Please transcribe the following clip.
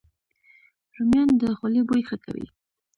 رومیان د خولې بوی ښه کوي